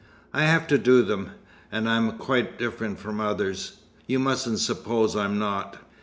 I have to do them. And I am quite different from others. You mustn't suppose I'm not."